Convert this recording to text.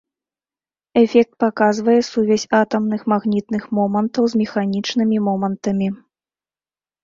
Эфект паказвае сувязь атамных магнітных момантаў з механічнымі момантамі.